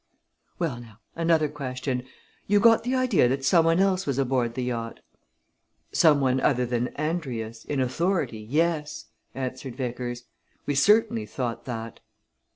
Well, now, another question you got the idea that some one else was aboard the yacht?" "Some one other than Andrius in authority yes!" answered Vickers. "We certainly thought that."